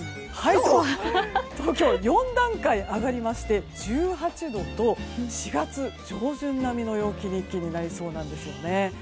東京、４段階上がりまして１８度と一気に４月上旬並みの陽気になりそうなんです。